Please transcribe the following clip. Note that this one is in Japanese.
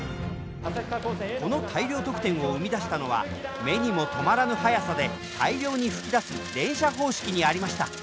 この大量得点を生み出したのは目にも留まらぬ速さで大量に噴き出す連射方式にありました。